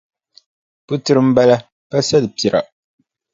Putira m-bala pa salipira.